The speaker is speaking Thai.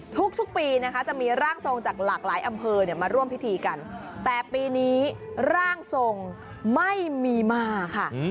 ทุกปีนะคะจะมีร่างทรงจากหลากหลายอำเภอเนี่ยมาร่วมพิธีกันแต่ปีนี้ร่างทรงไม่มีมาค่ะ